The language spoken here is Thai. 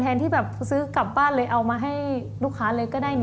แทนที่ซื้อกลับบ้านเอามาให้ลูกค้าเล็กก็ได้